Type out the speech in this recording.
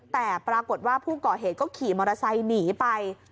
แต่ปรากฏว่าผู้ก่อเหตุก็ขี่มอเตอร์ไซค์หนีไป